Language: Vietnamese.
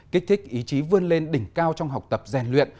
kích thích ý chí vươn lên đỉnh cao trong học tập rèn luyện